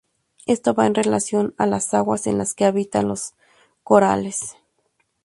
Esto va en relación a las aguas en las que habitan los corales.